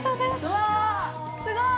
うわ、すごい！